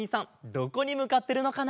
どこにむかってるのかな？